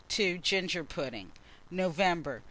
Ginger pudding. NOVEMBER.